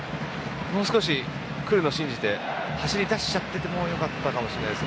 もう少し来るのを信じて走り出しちゃっても良かったかもしれないです。